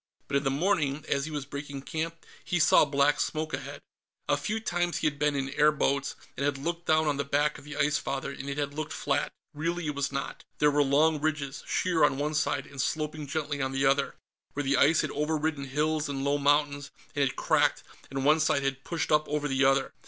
But in the morning, as he was breaking camp, he saw black smoke ahead. A few times, he had been in air boats, and had looked down on the back of the Ice Father, and it had looked flat. Really, it was not. There were long ridges, sheer on one side and sloping gently on the other, where the ice had overridden hills and low mountains, or had cracked and one side had pushed up over the other.